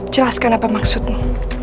jelaskan apa maksudmu